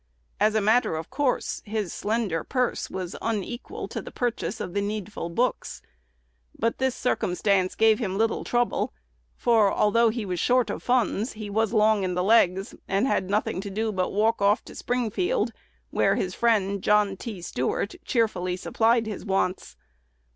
As a matter of course, his slender purse was unequal to the purchase of the needful books: but this circumstance gave him little trouble; for, although he was short of funds, he was long in the legs, and had nothing to do but to walk off to Springfield, where his friend, John T. Stuart, cheerfully supplied his wants.